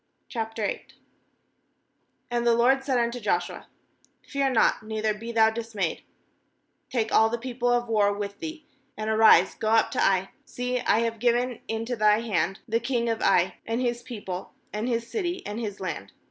Q And the LORD said unto Joshua: u 'Fear not, neither be thou dis mayed; take all the people of war with thee, and arise, go up to Ai; see, I have given into thy hand the long of Ai, and his people, and his city, and his land.